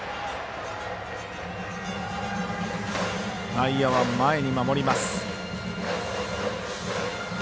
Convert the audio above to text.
内野は前に守ります。